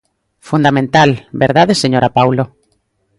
Fundamental, ¿verdade, señora Paulo?